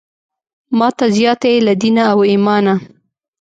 ماته زیاته یې له دینه او ایمانه.